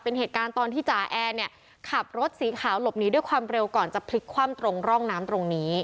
เป็นเหตุการณ์ตอนที่จ่าแอร์เนี่ยขับรถสีขาวหลบหนีด้วยความเร็วก่อนจะพลิกคว่ำตรงร่องน้ำตรงนี้